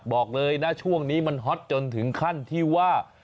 บอกเลยนะช่วงนี้มันฮอตจนถึงขั้นที่ว่า